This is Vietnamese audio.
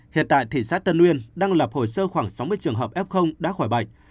hiện tại thị xác tân nguyên đang lập hồi sơ khoảng sáu mươi trường hợp f đã khỏi bệnh